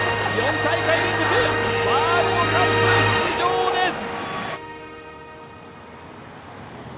４大会連続ワールドカップ出場ですＧＯ！